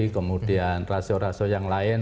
kemudian rasio rasio yang lain